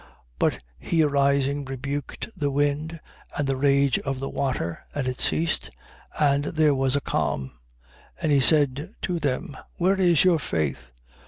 But he arising, rebuked the wind and the rage of the water. And it ceased: and there was a calm. 8:25. And he said to them: Where is your faith?